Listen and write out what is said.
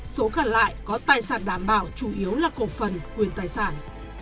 số còn lại có tài sản đảm bảo chủ yếu là cổ phần quyền tài sản